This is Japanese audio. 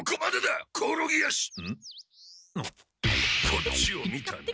こっちを見たな！